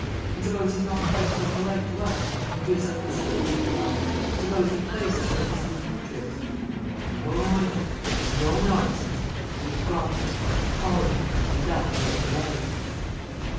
And suppose he's not quite so polite to us and gives us the slip meanwhile? Suppose he plays us one of his Lupin tricks? No, no, we must have no nonsense! We've got him: let's collar him; and that without delay!"